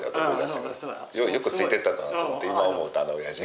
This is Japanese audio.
ようよくついていったなと思って今思うとあのおやじに。